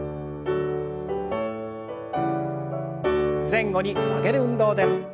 前後に曲げる運動です。